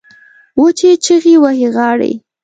وچې چیغې وهي غاړې